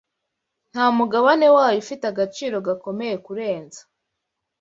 nta mugabane wayo ufite agaciro gakomeye kurenza